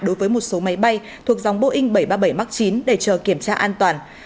đối với một số máy bay thuộc dòng boeing bảy trăm ba mươi bảy max chín để chờ kiểm tra an toàn